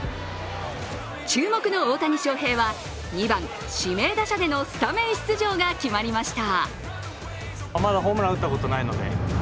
注目の大谷翔平は２番・指名打者でのスタメン出場が決まりました。